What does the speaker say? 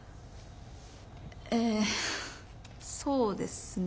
ええそうですね。